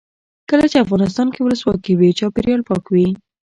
کله چې افغانستان کې ولسواکي وي چاپیریال پاک وي.